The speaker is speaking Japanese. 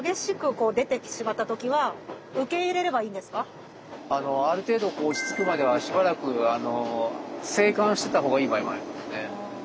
あとそのある程度落ち着くまではしばらく静観してたほうがいい場合もありますね。